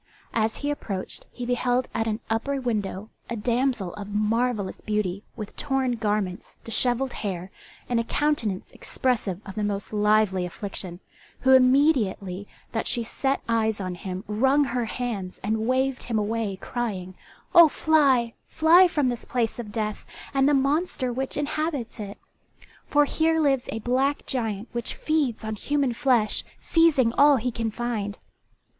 As he approached he beheld at an upper window a damsel of marvellous beauty, with torn garments, dishevelled hair, and a countenance expressive of the most lively affliction, who immediately that she set eyes on him wrung her hands and waived him away crying "Oh, fly, fly from this place of death and the monster which inhabits it! For here lives a black giant which feeds on human flesh, seizing all he can find.